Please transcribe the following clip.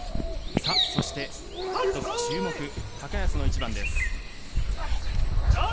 そして注目、高安の一番です。